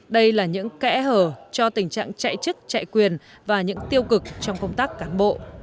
đây là những kẽ hở cho tình trạng chạy chức chạy quyền và những tiêu cực trong công tác cán bộ